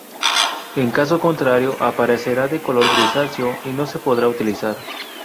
En caso contrario, aparecerá de color grisáceo y no se podrá utilizar.